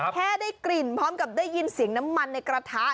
แค่ได้กลิ่นพร้อมกับได้ยินเสียงน้ำมันในกระทะ